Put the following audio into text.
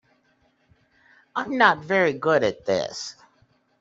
I'm not very good at this.